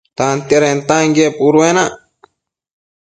Tantiadentanquien puduenac